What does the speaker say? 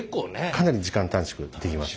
かなり時間短縮できます。